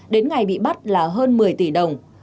đến ngày bị bắt là hơn một mươi tỷ đồng